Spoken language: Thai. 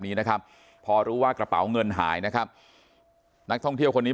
นี้นะครับพอรู้ว่ากระเป๋าเงินหายนะครับนักท่องเที่ยวคนนี้